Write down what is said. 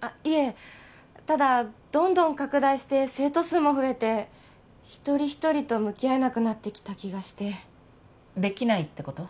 あっいえただどんどん拡大して生徒数も増えて一人一人と向き合えなくなってきた気がしてできないってこと？